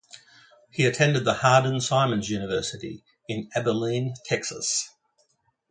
He attended Hardin-Simmons University in Abilene, Texas.